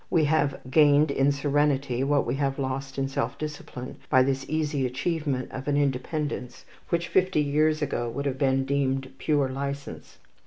We have gained in serenity what we have lost in self discipline by this easy achievement of an independence which, fifty years ago, would have been deemed pure licence.